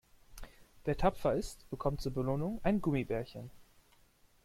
Wer tapfer ist, bekommt zur Belohnung ein Gummibärchen.